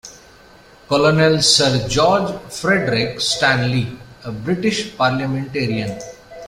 Colonel Sir George Fredrick Stanley, a British parliamentarian.